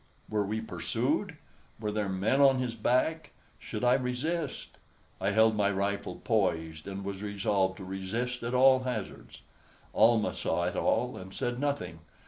Were we pursued? Were there men on his back? Should I resist? I held my rifle poised, and was resolved to resist at all hazards. Almah saw it all, and said nothing.